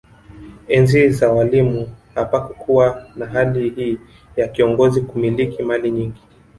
Enzi za Mwalimu hapakukuwa na hali hii ya kiongozi kumiliki mali nyingi